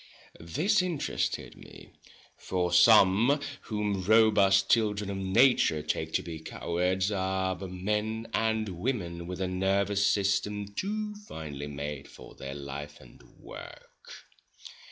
This interested me, for some whom robust children of nature take to be cowards are but men and women with a nervous system too finely made for their life and work.